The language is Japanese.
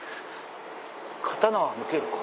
刀は抜けるか？